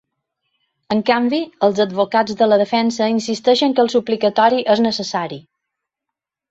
En canvi, els advocats de la defensa insisteixen que el suplicatori és necessari.